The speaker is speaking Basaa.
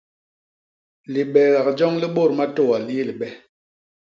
Libeegak joñ li bôt matôa li yé libe.